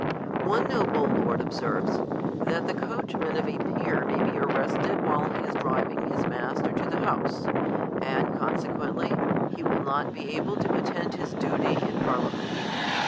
One noble lord ob serves, that the coachman of a peer may be arrested while he is driving his master to the House ; and, con sequently, he will not be able to attend his duty in Parliament.